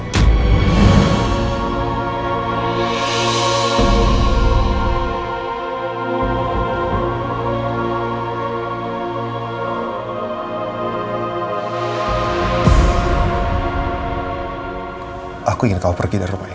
sayang aku ingin kamu pergi dari rumah ini